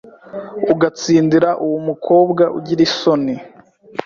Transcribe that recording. ugatsindira uwu umukobwa ugira isoni